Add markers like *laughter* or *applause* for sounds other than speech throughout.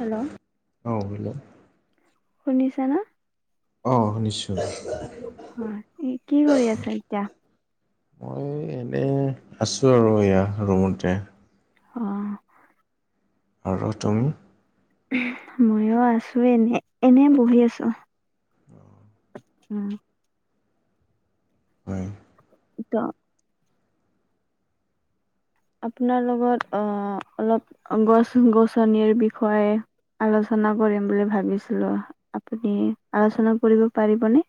Hello অ hello শুনিছা না? অ শুনিছোঁ হয় কি কৰি আছা এতিয়া। মই এনেই আছোঁ আৰু এয়া ৰুমতে। অ আৰু তুমি। ময়ো আছো এনে এনে বহি আছো। অ। উম হয় ত আপোনাৰ লগত আ অলপ গছ গছনিৰ বিষয়ে আলোচনা কৰিম বুলি ভাবিছিলো আপুনি আলোচনা কৰিব পাৰিবনে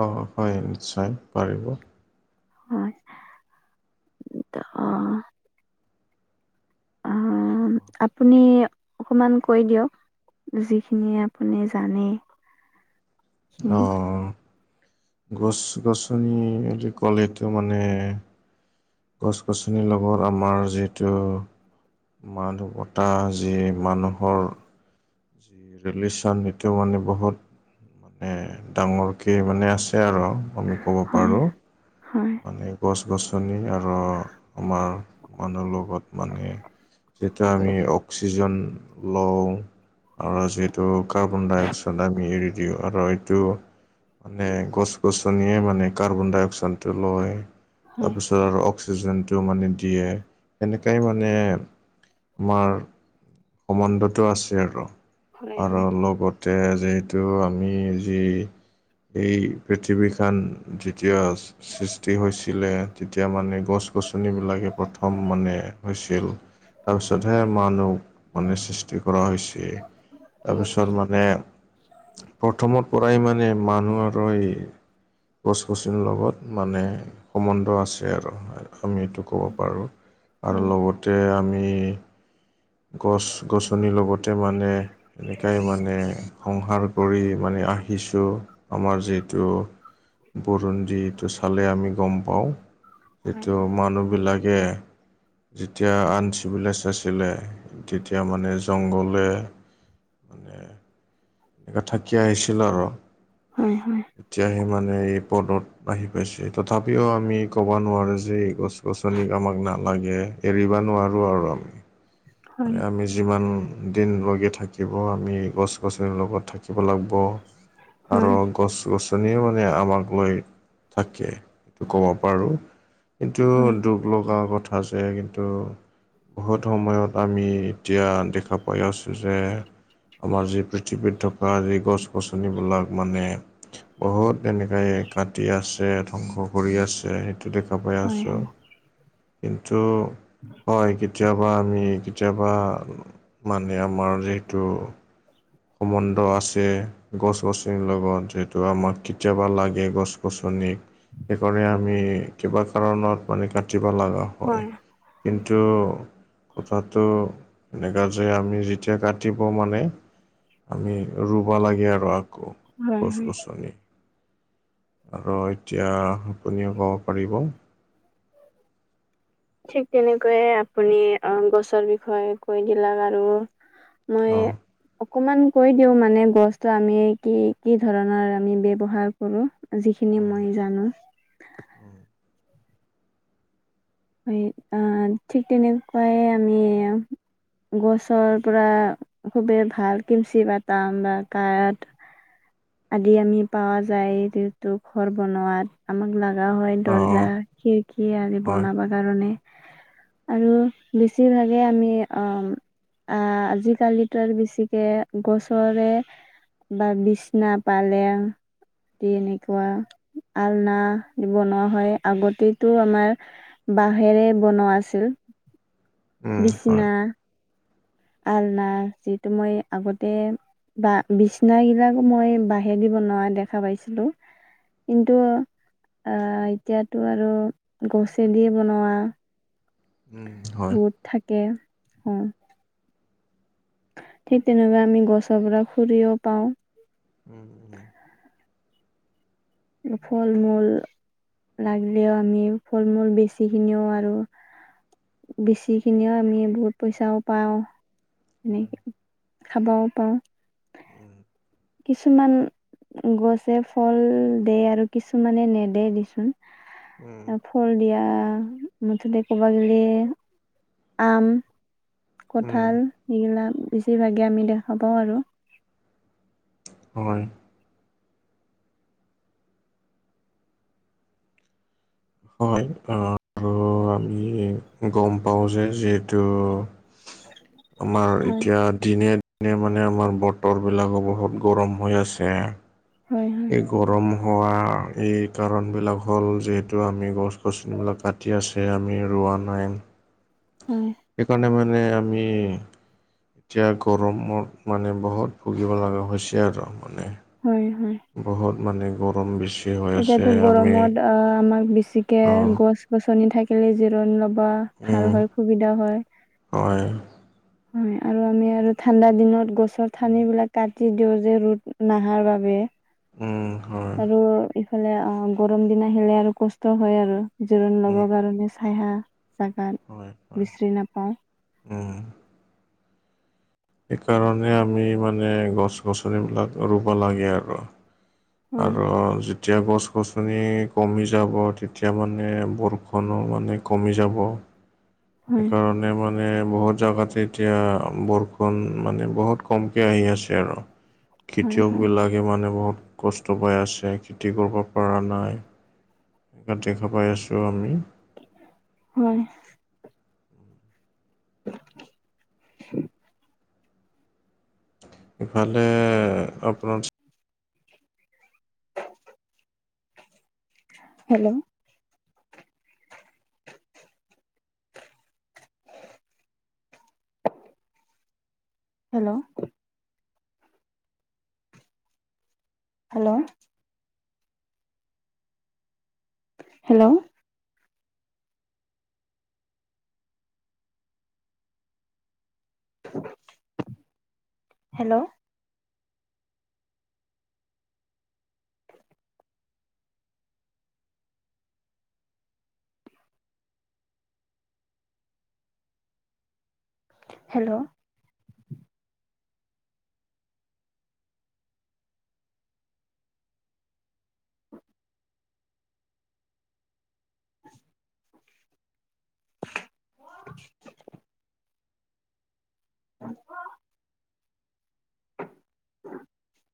অ হয় নিশ্চয় পাৰিব হয় অ অ আপুনি অকণমান কৈ দিয়ক যিখিনি আপুনি জানে অ সেইখিনি গছ গছনি বুলি ক'লেটো মানে গছ গছনিৰ লগত আমাৰ যিহেতু মানৱতা যি মানুহৰ যি ৰিলিচান সেইটো মানে বহুত মানে ডাঙৰকে মানে আছে আৰু আমি ক'ব হয় পাৰোঁ হয় মানে গছ - গছনি আৰু আমাৰ মানুহ লগত মানে যেতিয়া আমি অক্সিজেন লওঁ আৰু যিহেতু কাৰ্বন ডাই অক্সাইড আমি এৰি দিওঁ আৰু এইটো মানে গছ - গছনিয়ে মানে কাৰ্বন ডাই অক্সাইডটো লয়, হয় তাৰপিছ ধৰ অক্সিজেনটো মানে দিয়ে সেনেকেই মানে আমাৰ সম্বন্ধটো আছে আৰু। হয় আৰু হয় লগতে যিহেতু আমি যি এই পৃথিৱীখন দ্বিতীয়চ সৃষ্টি হৈছিলে তেতিয়া মানে গছ - গছনিবিলাকে প্ৰথম মানে হৈছিল। তাৰপিছতহে মানুহ মানে সৃষ্টি কৰা হৈছে হয় তাৰপিছত মান মানে প্ৰথমত পৰাই মানে মানুহ আৰু এই গছ- গছনি লগত মানে সম্বন্ধ আছে আৰু আমি এইটো ক'ব পাৰোঁ আৰু হয় লগত তে আমি গছ -গছনিৰ লগতে মানে সেনেকাই মানে সংসাৰ কৰি মানে আহিছোঁ আমাৰ যিটো বৰণ যিটো চালে আমি গম পাওঁ হয় এইটো মানুহ বিলাক গে যেতিয়া আনচিভিলাইজ আছিলে তেতিয়া মানে জংঘলে *inaudible* থাকি আহিছিল আৰু। হয় হয়। এতিয়াহে মানে এই পদত আহি পাইছে তথাপিও আমি ক'ব নোৱাৰোঁ যে গছ - গছনিক আমাক নালাগে এৰিব নোৱাৰোঁ আৰু আমি। হয় মানে আমি যিমান দিন লকে থাকিব আমি গছ - গছ লগত থাকিব লাগিব আৰু হয় গছ - গছ এনেও মানে আমাক লৈ থাকে এইটো ক'ব পাৰোঁ কিন্তু হয় দু লগা কথা যে কিন্তু বহুত সময়ত আমি এতিয়া দেখা পাই আছো যে আমাৰ যি পৃথিৱীত থকা যি গছ- গছনিবিলাক মানে বহুত এনেকাই কাটি আছে, ধ্বংস কৰি আছে টো দেখা পাই হয় আছোঁ হয়। কিন্তু হয় কেতিয়াবা আমি কেতিয়াবা মানে আমাৰ যিহেতু সম্বন্ধ আছে গছ - গছনিৰ লগত যিহেতু আমাক কেতিয়াবা লাগে গছ - গছনিক সেইকাৰণে আমি কিবা কাৰণত মানে কাটিব লাগা হয় হয়। কিন্তু কথাটো এনেকা যে আমি যেতিয়া কাটিব মানে আমি ৰুব লাগে আৰু আকৌ হয় গছ - হয়। গছনি। আৰু এতিয়া আপুনিও ক'ব পাৰিব ঠিক তেনেকৈয়ে আপুনি গছৰ বিষয়ে কৈ দিলাক আৰু মই অ অকমান কৈ দিওঁ মানে গছটো আমি কি কি ধৰণৰ আমি ব্যৱহাৰ কৰো। যিখিনি মই জানো। হয় আহ ঠিক তেনেকুৱাই আমি গছৰ পৰা খুবেই ভাল কিমচি পাতাম বা কাঠ আদি আমি পোৱা যায় এটো ঘৰ বনোৱাত। আমাক লাগা হয় অ দৰ্জা, খিৰিকী আদি হয় বনাব কাৰণে। আৰু বেছিভাগে আমি আম আ আজিকালি লিটাৰ বেছিকৈ গছৰে বা বিছনা, পালেং দি এনেকুৱা আলনা বনোৱা হয় আগতেতো আমাৰ বাঁহেৰে বনোৱা আছিল উম হয় বিচনা আলনা যিটো মই আগতে বা বিচনা গিলাকো মই বাহেদি বনোৱা দেখা পাইছিলোঁ। কিন্তু আহ এতিয়াতো আৰু গছে দিয়ে বনোৱা উম হয় বহুত থাকে অ ঠিক তেনেকৈ আমি গছৰ পৰা খৰিও পাওঁ উম উম ফল মূল লাগিলেও আমি ফল মূল বেছিখিনিও আৰু বেছিখিনিও আমি বহুত পইচাও পাওঁ হয় এনেকৈ খাবও পাৰো উম কিছুমান গছে ফল দে আৰু কিছুমানে নেদে উম দিচোন ফল দিয়া মুঠতে ক'ব গলে আম উম কঁঠাল এইবিলাক বেছিভাগে আমি দেখা পাওঁ আৰু হয় হয় আৰু আমি গম পাওঁ যে যিহেতু আমাৰ হয় এতিয়া দিনে এনে মানে আমাৰ বতৰ বিলাকো বহুত গৰম হৈ আছে হয় হয় এই গৰম হোৱা এই কাৰণবিলাক হ'ল যিহেতু আমি গছ গছনিবিলাক কাট কাটি আছে আমি ৰোৱা নাই। হয় সেইকাৰণে মানে আমি এতিয়া গৰমত মানে বহুত ভুগিব লগা হৈছে আৰু মানে। হয় হয়। বহুত মানে গৰম বেছি। হৈ আছে এতিয়াতো আমি গৰমত আহ আমাক বেছিকে অ গছ গছনি থাকিলে জিৰণ ল'বা। ভাল উম হয় সুবিধা হয় হয় আৰু আমি আৰু ঠাণ্ডা দিনত গ গছৰ উম ঠানিবিলাক কাটি দিওঁ যে ৰ'দ নাহাৰ বাবে উম হয় আৰু ইফালে অ গৰম দিন আহিলে আৰু কষ্ট হয় আৰু জিৰণি ল'ব উম কাৰণে চাহা চাগান হয় হয় উম সেইকাৰণে আমি মানে গছ গছনিবিলাক ৰুব লাগে আৰু হয় আৰু যি যেতিয়া গছ গছনি কমি যাব তেতিয়া মানে বৰষুণো মানে কমি যাব। সেই হয় কাৰণ মা মানে বহুত জেগাতে এতিয়া বৰষুণ মানে বহুত কমকৈ আহি আছে আৰু *inaudible* হয় খেতিয়কবিলাকে মানে বহুত কষ্ট পাই আছে খেতি কৰিব পৰা নাই। *unintelligible* আছোঁ আমি। হয়। *inaudible* ইফালে আপোনাৰ hello *inaudible* hello hello hello hello. *inaudible* Hello. *inaudible* *inaudible* *inaudible* *inaudible*